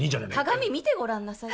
鏡見てごらんなさい。